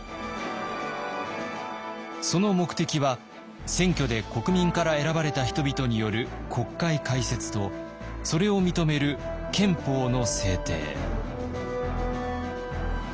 その目的は選挙で国民から選ばれた人々による国会開設とそれを認める憲法の制定。